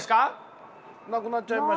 なくなっちゃいましたけど。